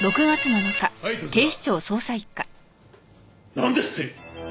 なんですって！？